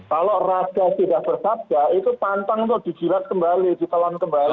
kalau raza tidak bersabda itu pantang untuk dijilat kembali ditelan kembali